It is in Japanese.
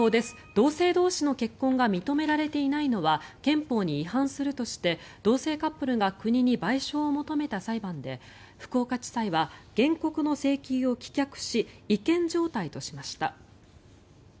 同性同士の結婚が認められていないのは憲法に違反するとして同性カップルが国に賠償を求めた裁判で福岡地裁は原告の請求を棄却し違憲状態としました。